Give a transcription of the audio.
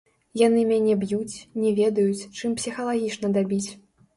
Яны мяне б'юць, не ведаюць, чым псіхалагічна дабіць.